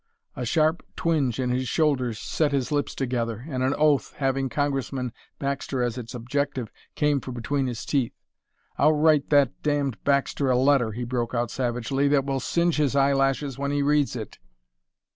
A sharp twinge in his shoulder set his lips together, and an oath, having Congressman Baxter as its objective, came from between his teeth. "I'll write that damned Baxter a letter," he broke out savagely, "that will singe his eyelashes when he reads it!"